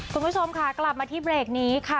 คุณคุณผู้ชมค่ะกลับมาคือเบรฟนี้ค่ะ